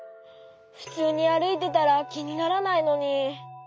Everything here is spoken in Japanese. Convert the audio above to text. ふつうにあるいてたらきにならないのに。